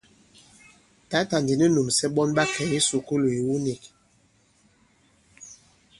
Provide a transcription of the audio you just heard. Tǎtà ndi nu nūmsɛ ɓɔn ɓa kɛ̀ i kisùkulù ìwu nīk.